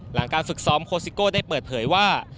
หลังการฝึกซ้อมโคสิโก้ได้เปิดเผยว่า